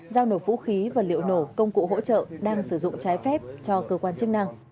giao nộp vũ khí và liệu nổ công cụ hỗ trợ đang sử dụng trái phép cho cơ quan chức năng